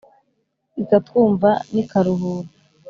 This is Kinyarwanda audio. ikatwumva n'i karuhura.